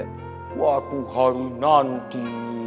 suatu hari nanti